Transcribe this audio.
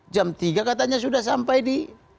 jam tiga katanya sudah sampai di